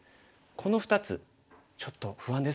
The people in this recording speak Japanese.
この２つちょっと不安ですね。